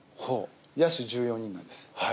野手１４人なんです。